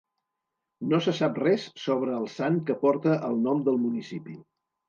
No se sap res sobre el sant que porta el nom del municipi.